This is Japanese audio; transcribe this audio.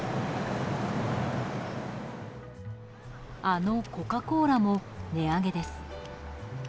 あのコカ・コーラも値上げです。